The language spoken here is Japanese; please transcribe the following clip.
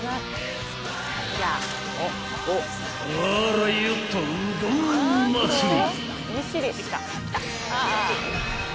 ［あらよっとうどん祭り！］